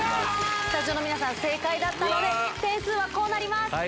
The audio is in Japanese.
スタジオの皆さん、正解だったので、点数はこうなります。